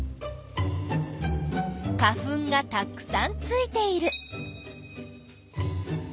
花粉がたくさんついている。